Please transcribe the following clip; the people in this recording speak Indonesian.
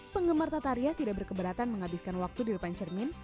penggemar tata rias tidak berkeberatan menghabiskan waktu di depan cermin